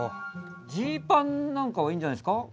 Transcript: ジーパンなんかはいいんじゃないですか？